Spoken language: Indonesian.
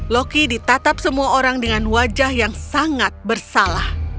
loki ditatap semua orang dengan wajah yang sangat bersalah